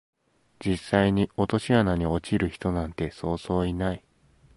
実際に落とし穴に落ちる人なんてそうそういない